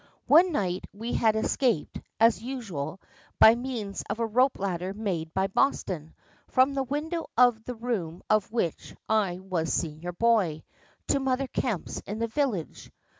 One night we had escaped, as usual, by means of a rope ladder made by Boston, from the window of the room of which I was senior boy, to Mother Kemp's in the village.